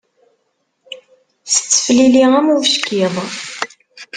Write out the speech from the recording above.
Tetteflili am ubeckiḍ.